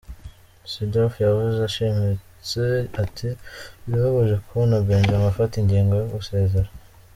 Seedorf yavuze ashimitse ati:"Birababaje kubona Benjamin afata ingingo yo gusezera.